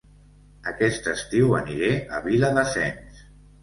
Aquest estiu aniré a Viladasens